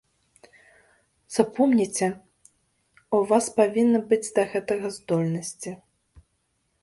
Запомніце, у вас павінны быць да гэтага здольнасці.